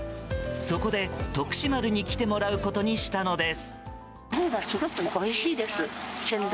そこで、「とくし丸」に来てもらうことにしたのです。